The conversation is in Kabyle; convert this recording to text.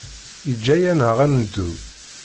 Yeǧǧa-aneɣ ad neddu.